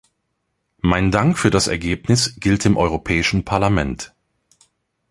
Mein Dank für das Ergebnis gilt dem Europäischen Parlament.